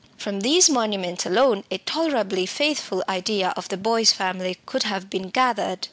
From these monuments alone a tolerably faithful idea of the Boyce family could have been gathered.